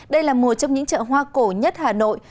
đây là một trong những chợ hoa cổ nhất hà nội